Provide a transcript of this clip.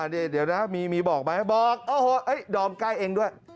เดี๋ยวนะฮะมีบอกมั้ยบอกโอ้โฮโฮโดรมใกล้เองด้วย